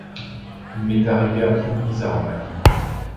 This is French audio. Il m’est arrivé un truc bizarre en Avignon.